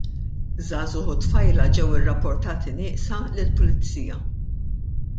Żagħżugħ u tfajla ġew irrappurtati nieqsa lill-Pulizija.